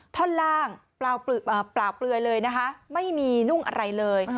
ท่อนล่างเปล่าเปลือยเลยนะคะไม่มีนุ่งอะไรเลย